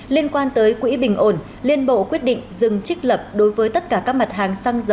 liên quan tới quỹ bình ổn liên bộ quyết định dừng trích lập đối với tất cả các mặt hàng xăng dầu